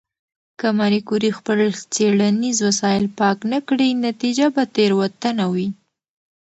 که ماري کوري خپل څېړنیز وسایل پاک نه کړي، نتیجه به تېروتنه وي.